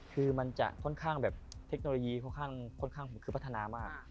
คือเทคโนโลยีค่อนข้างขึ้นพัฒนามาก